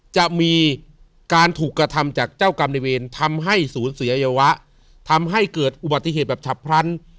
จะมีการถูกกระทำจากเจ้ากรรมในเวรทำให้ศูนย์เสียอวัยวะทำให้เกิดอุบัติเหตุแบบฉับพลัน